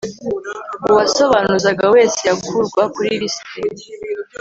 uwasobanuzaga wese yakurwa kuri lisite